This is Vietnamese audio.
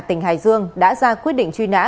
tỉnh hải dương đã ra quyết định truy nã